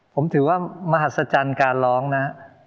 ผมถือว่ามหัศจรรย์การร้องนะ